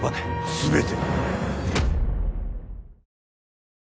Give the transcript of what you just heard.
全て。